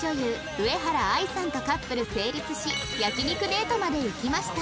上原亜衣さんとカップル成立し焼肉デートまで行きました